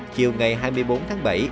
chiều ngày hai mươi bốn tháng bảy